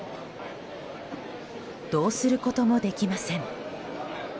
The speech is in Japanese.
どうすることもできません。